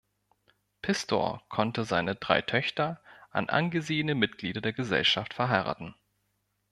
Pistor konnte seine drei Töchter an angesehene Mitglieder der Gesellschaft verheiraten.